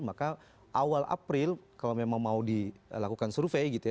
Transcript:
maka awal april kalau memang mau dilakukan survei gitu ya